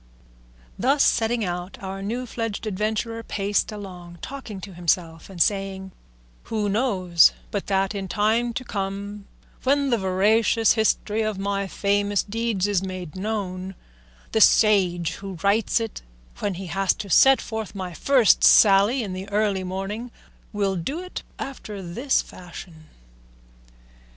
Thus setting out, our new fledged adventurer paced along, talking to himself and saying, "Who knows but that in time to come, when the veracious history of my famous deeds is made known, the sage who writes it, when he has to set forth my first sally in the early morning, will do it after this fashion?